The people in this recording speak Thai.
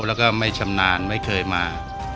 แล้วก็ไม่ชำนาญไม่เคยมา